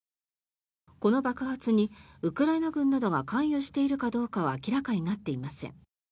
この爆発にウクライナ軍などが関与しているかどうかは明らかになっていません。